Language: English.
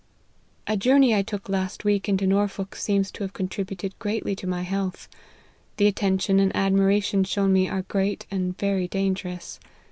" A journey I took last week into Norfolk seems to have contributed greatly to my health. The attention and admiration shown me are great and very dangerous.